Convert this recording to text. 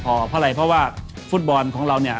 เพราะอะไรเพราะว่าฟุตบอลของเราเนี่ย